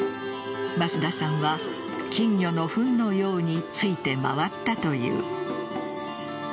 増田さんは、金魚のふんのようについて回ったという。